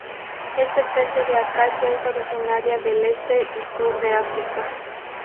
Esta especie de acacia es originaria del este y sur de África.